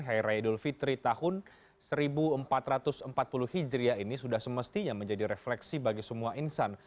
hari raya idul fitri tahun seribu empat ratus empat puluh hijriah ini sudah semestinya menjadi refleksi bagi semua insan